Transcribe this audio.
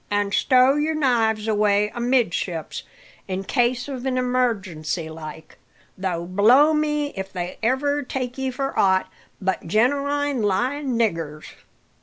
"An' stow your knives away amidships, in case of emargency like; though blow me if they ever take ye for aught but genewine lying niggers!"